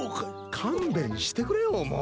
勘弁してくれよもう。